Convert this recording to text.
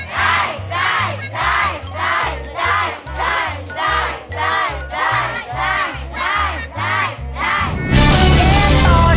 ได้